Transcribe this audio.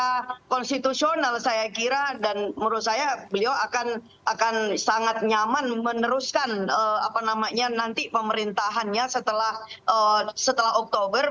jadi secara konstitusional saya kira dan menurut saya beliau akan sangat nyaman meneruskan nanti pemerintahannya setelah oktober